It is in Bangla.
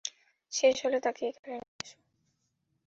শেষ হলে, তাকে এখানে নিয়ে এসো।